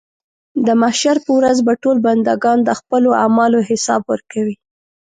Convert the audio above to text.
د محشر په ورځ به ټول بندګان د خپلو اعمالو حساب ورکوي.